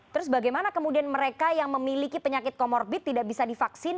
terus bagaimana kemudian mereka yang memiliki penyakit komorbit tidak bisa divaksin